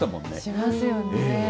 しますよね。